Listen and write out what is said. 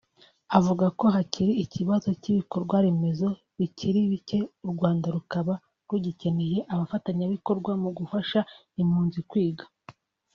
Avuga ko hakiri ikibazo cy’ibikorwa remezo bikiri bikcye u Rwanda rukaba rugikeneye abafatanyabikorwa mu gufasha impunzi kwiga